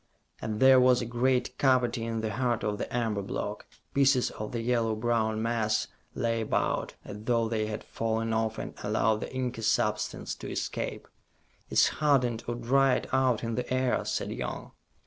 And there was a great cavity in the heart of the amber block. Pieces of the yellow brown mass lay about, as though they had fallen off and allowed the inky substance to escape. "It's hardened or dried out in the air," said Young.